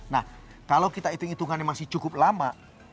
nah kalau kita hitung hitungannya masih cukup lama